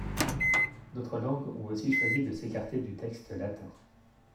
D'autres langues ont aussi choisi de s'écarter du texte latin.